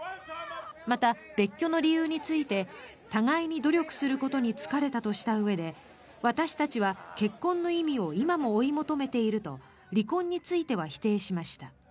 また、別居の理由について互いに努力することに疲れたとしたうえで私たちは結婚の意味を今も追い求めていると離婚については否定しました。